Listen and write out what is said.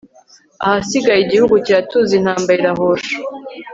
ahasigaye igihugu kiratuza, intambara irahosha